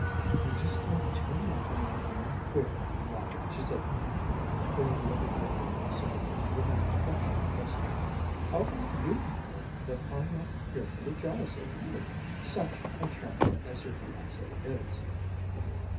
"You just count too much on my being 'queer,' Molly," she said playfully, pulling the other girl down beside her, with an affectionate gesture. "How do you know that I'm not fearfully jealous of you? Such a charmer as your fiancé is!"